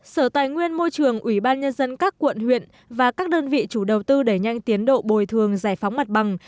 sở tài nguyên môi trường ubnd các quận huyện và các đơn vị chủ đầu tư để nhanh tiến độ bồi thường giải phóng mặt bằng